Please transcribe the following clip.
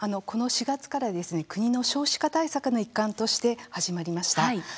この４月からですね国の少子化対策の一環として始まりました。